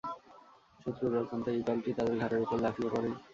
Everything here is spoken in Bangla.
শত্রুর অজান্তে এই দলটি তাদের ঘাড়ের উপর লাফিয়ে পড়ে।